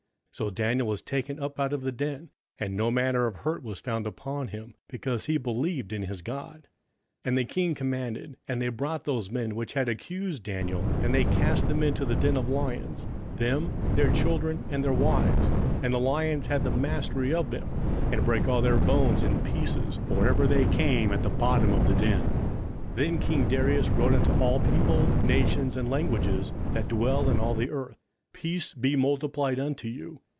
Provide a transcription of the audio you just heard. So Daniel was taken up out of the den, and no manner of hurt was found upon him, because he believed in his God. 27:006:024 And the king commanded, and they brought those men which had accused Daniel, and they cast them into the den of lions, them, their children, and their wives; and the lions had the mastery of them, and brake all their bones in pieces or ever they came at the bottom of the den. 27:006:025 Then king Darius wrote unto all people, nations, and languages, that dwell in all the earth; Peace be multiplied unto you.